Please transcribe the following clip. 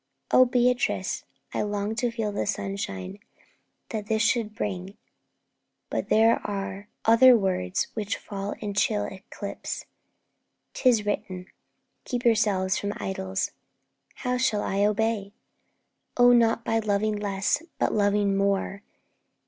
"' 'O Beatrice, I long to feel the sunshine That this should bring; but there are other words Which fall in chill eclipse. 'Tis written, "Keep Yourselves from idols." How shall I obey?' 'Oh, not by loving less, but loving more.